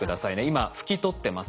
今拭き取ってますよね。